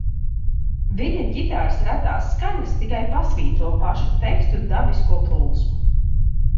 Viņa ģitāras retās skaņas tikai pasvītro pašu tekstu dabisko plūsmu.